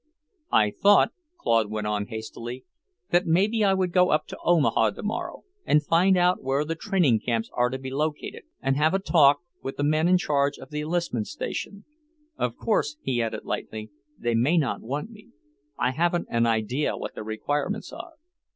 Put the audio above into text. "I thought," Claude went on hastily, "that maybe I would go up to Omaha tomorrow and find out where the training camps are to be located, and have a talk with the men in charge of the enlistment station. Of course," he added lightly, "they may not want me. I haven't an idea what the requirements are."